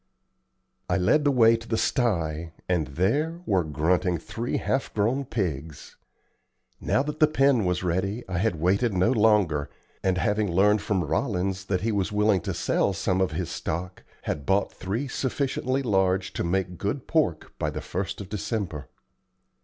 I led the way to the sty, and there were grunting three half grown pigs. Now that the pen was ready I had waited no longer, and, having learned from Rollins that he was willing to sell some of his stock, had bought three sufficiently large to make good pork by the 1st of December.